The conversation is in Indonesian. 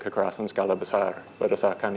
kekerasan skala besar berdasarkan